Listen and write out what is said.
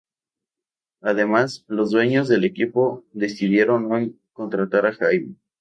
Además, los dueños del equipo decidieron no contratar a Jaime.